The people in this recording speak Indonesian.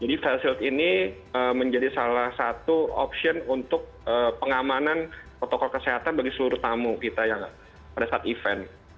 face shield ini menjadi salah satu opsi untuk pengamanan protokol kesehatan bagi seluruh tamu kita yang pada saat event